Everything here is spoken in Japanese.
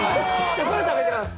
それ食べてます。